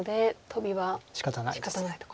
しかたないです。